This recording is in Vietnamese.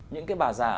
những cái bà già